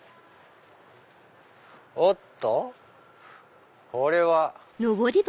おっとこれは。